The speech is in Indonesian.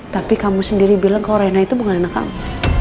tapi kamu sendiri bilang corona itu bukan anak kamu